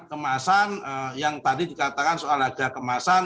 kemasan yang tadi dikatakan soal harga kemasan